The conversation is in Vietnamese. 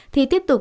thì tiếp tục